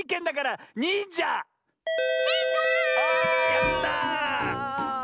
やった！